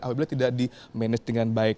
apabila tidak dimanage dengan baik